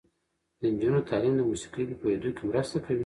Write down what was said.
د نجونو تعلیم د موسیقۍ په پوهیدو کې مرسته کوي.